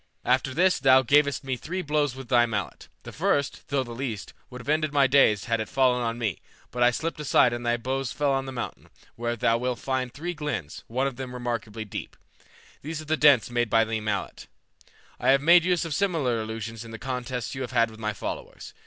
After this thou gavest me three blows with thy mallet; the first, though the least, would have ended my days had it fallen on me, but I slipped aside and thy blows fell on the mountain, where thou wilt find three glens, one of them remarkably deep. These are the dints made by thy mallet. I have made use of similar illusions in the contests you have had with my followers.